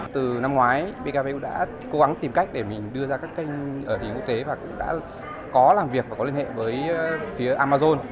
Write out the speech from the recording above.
từ năm ngoái bkv đã cố gắng tìm cách để mình đưa ra các kênh ở thế giới và cũng đã có làm việc và có liên hệ với phía amazon